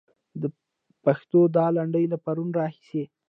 د پښتو دا لنډۍ له پرونه راهيسې.